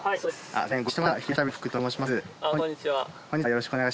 はい。